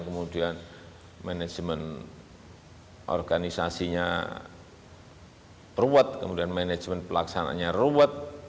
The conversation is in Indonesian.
kemudian manajemen organisasinya ruwet kemudian manajemen pelaksananya ruwet